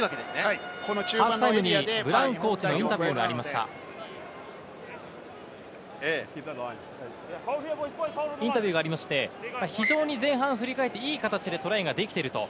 ハーフタイムにブラウンコーチのインタビューがありまして、非常に前半を振り返って、いい形でトライができていると。